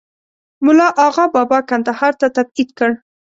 مُلا آغابابا کندهار ته تبعید کړ.